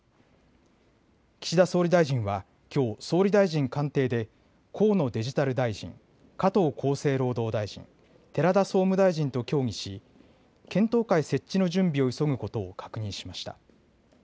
岸田総理大臣はきょう総理大臣官邸で河野デジタル大臣、加藤厚生労働大臣、寺田総務大臣と協議し検討会設置の準備を急ぐことを確認しました。